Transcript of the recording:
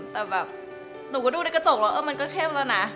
แต่แบบหนูก็ดูในกระจกแล้วเออมันก็เข้มแล้วนะ